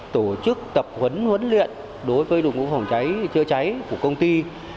tổ chức tập huấn huấn luyện đối với nguồn phòng cháy chữa cháy của công ty